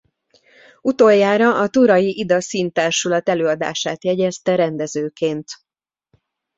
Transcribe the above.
Utoljára a Turay Ida Színtársulat előadását jegyezte rendezőként.